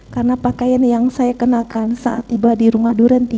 karena pakaian yang saya kenalkan saat tiba di rumah duren tiga